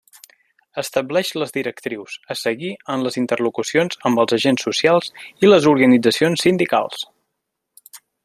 Estableix les directrius a seguir en les interlocucions amb els agents socials i les organitzacions sindicals.